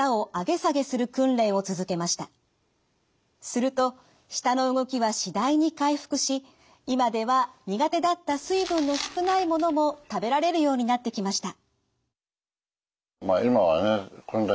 すると舌の動きは次第に回復し今では苦手だった水分の少ないものも食べられるようになってきました。